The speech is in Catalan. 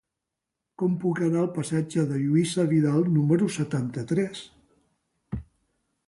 Com puc anar al passatge de Lluïsa Vidal número setanta-tres?